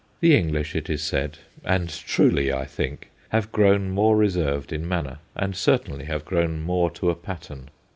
The English, it is said and truly, I think have grown more reserved in manner, and certainly have grown more to a pattern.